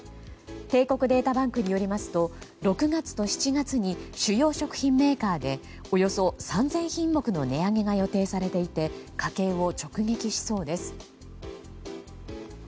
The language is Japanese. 帝国データバンクによりますと６月と７月に主要食品メーカーでおよそ３０００品目の値上げが予定されていて家計を直撃しそうです。